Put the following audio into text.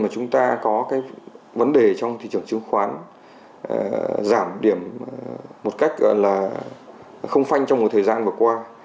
chúng ta có vấn đề trong thị trường chứng khoán giảm điểm một cách không phanh trong một thời gian vừa qua